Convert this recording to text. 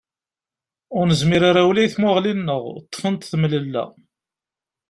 Ur nezmir ara ula i tmuɣli-nneɣ, ṭṭfent temlella.